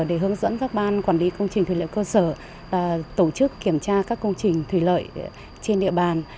để hướng dẫn các ban quản lý công trình thủy lợi cơ sở tổ chức kiểm tra các công trình thủy lợi trên địa bàn